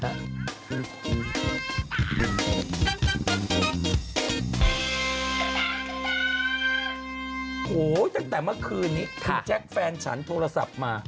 โอ้โหตั้งแต่เมื่อคืนนี้คุณแจ๊คแฟนฉันโทรศัพท์มา